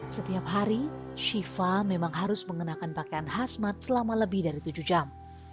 setiap hari shiva memang harus mengenakan pakaian khasmat selama lebih dari tujuh jam